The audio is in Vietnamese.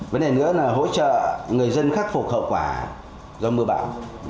vấn đề nữa là hỗ trợ người dân khắc phục hậu quả do mưa bão